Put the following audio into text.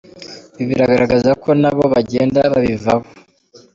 Ibi biragaragaza ko na bo bagenda babivaho.